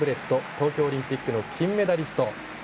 東京オリンピックの金メダリスト。